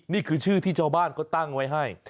นี่คือชื่อที่ชาวบ้านเขาตั้งไว้ให้